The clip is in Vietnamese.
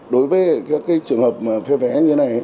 đối với trường hợp phê vé như thế này